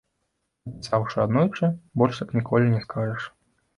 Напісаўшы аднойчы, больш так ніколі не скажаш.